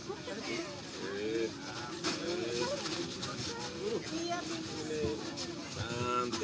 ada yang mau duduk di cepat